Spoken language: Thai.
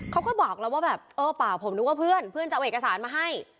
เขาก็บอกแล้วว่าแบบเออเปล่าผมนึกว่าเพื่อนเพื่อนจะเอาเอกสารมาให้